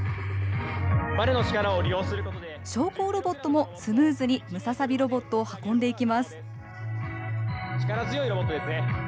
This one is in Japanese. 昇降ロボットもスムーズにムササビロボットを運んでいきます。